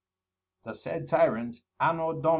The said Tyrant _An. Dom.